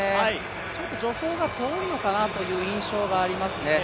ちょっと助走が遠いのかなという印象がありますね。